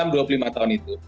enam dua puluh lima tahun itu